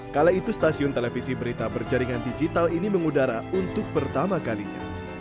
kala itu stasiun televisi berita berjaringan digital ini mengudara untuk pertama kalinya